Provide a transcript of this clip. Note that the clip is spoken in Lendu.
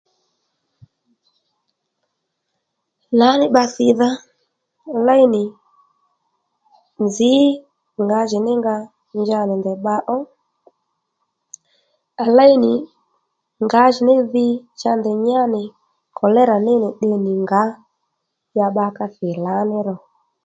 Lǎní bba thìdha léy nì nzǐ ngǎjìní nga nja nì ndèy bba ó à léy nì ngǎjìní dhi cha ndèy nyá nì kòlérà ní nì tde nì ngǎ ya bba ka thì lǎní ro